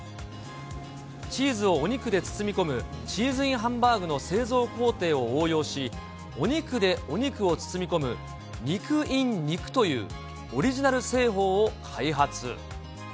チーズをお肉で包み込む、チーズＩＮハンバーグの製造工程を応用し、お肉でお肉を包み込む、肉ｉｎ肉というオリジナル製法を開発。